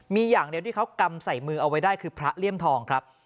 มีอย่างเดียวที่เขากำใส่มือเอาไว้ได้คือพระเลี่ยมทองครับ